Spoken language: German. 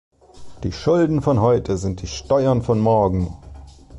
Die Schulden von heute sind die Steuern von morgen.